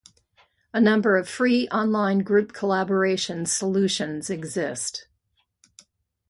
A number of free online group collaborations solutions exist.